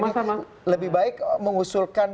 sama sama lebih baik mengusulkan